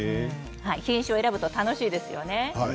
品種を選ぶと楽しいですね。